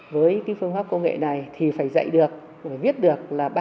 với phương pháp công nghệ này thì phải dạy được phải viết được là ba mươi năm